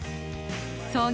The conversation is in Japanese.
創業